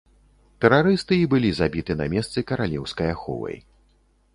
Тэрарысты і былі забіты на месцы каралеўскай аховай.